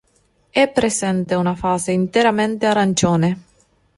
È presente una fase interamente arancione.